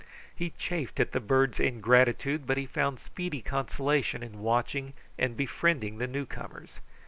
He chafed at the birds' ingratitude, but he found speedy consolation in watching and befriending the newcomers.